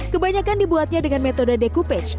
kebanyakan dibuatnya dengan metode decopage